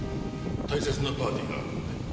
大切なパーティーがあるので。